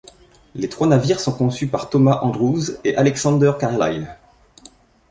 Les trois navires sont conçus par Thomas Andrews et Alexander Carlisle.